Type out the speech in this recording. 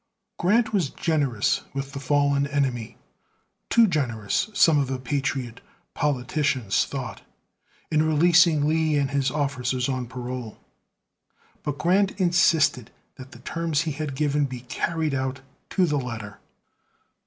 Grant was generous with the fallen enemy; too generous, some of the patriot politicians thought, in releasing Lee and his officers on parole; but Grant insisted that the terms he had given be carried out to the letter.